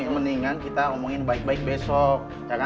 mendingan kita omongin baik baik besok